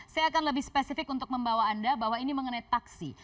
saya akan lebih spesifik untuk membawa anda bahwa ini mengenai taksi